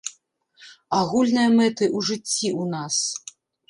Агульныя мэты ў жыцці ў нас.